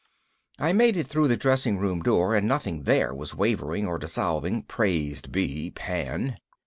I made it through the dressing room door and nothing there was wavering or dissolving, praised be Pan.